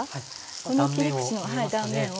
この切り口の断面を。